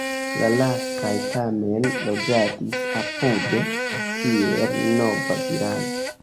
La lastaj tamen loĝadis apude, kiel nova vilaĝo.